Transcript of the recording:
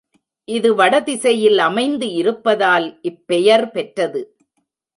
இது வடதிசையில் அமைந்து இருப்பதால் இப்பெயர் பெற்றது.